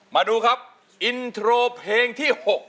มาดูครับอินโทรเพลงที่๖